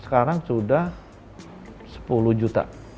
sekarang sudah sepuluh juta